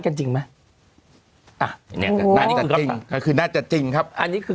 กันจริงไหมอ่ะเนี้ยน่าจะจริงก็คือน่าจะจริงครับอันนี้คือ